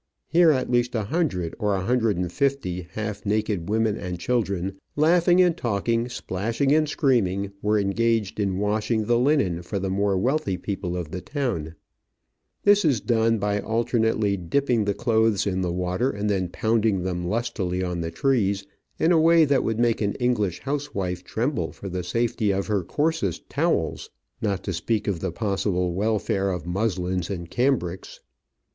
Here at least a hundred or a hundred and fifty half naked women and children, laughing and talking, splashing and screaming, were engaged in washing the linen for the more wealthy people of the town. Digitized by VjOOQIC OF AN Orchid Hunter, 51 This is done by alternately dipping the clothes in the water and then pounding them lustily on the trees in a way that would make an English housewife tremble for the safety of her coarsest towels, not NATIVE LAUNDRY OF BARRANQUILLA. to speak of the possible welfare of muslins and cambrics.